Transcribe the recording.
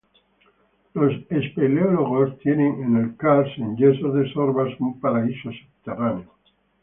Los espeleólogos tienen en el karst en yesos de Sorbas un paraíso subterráneo.